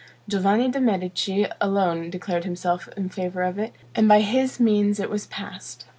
Giovanni de' Medici alone declared himself in favor of it, and by his means it was passed.